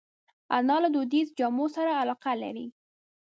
انا له دودیزو جامو سره علاقه لري